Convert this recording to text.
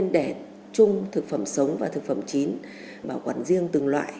để chung thực phẩm sống và thực phẩm chín bảo quản riêng từng loại